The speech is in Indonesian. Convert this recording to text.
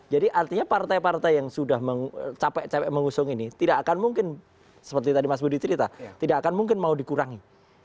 jadi artinya partai partai yang sudah capek capek mengusung ini tidak akan mungkin seperti tadi mas budi cerita tidak akan mungkin mau dikurangi